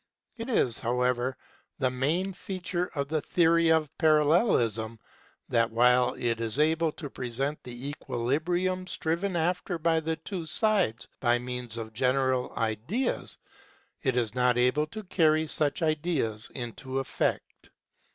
It is, however, the main feature of the theory of Parallelism that while it is able to present the equilibrium striven after by the two sides by means of general ideas, it is not able to carry such ideas into effect.